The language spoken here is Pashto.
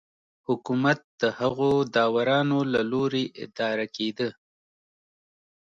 حکومت د هغو داورانو له لوري اداره کېده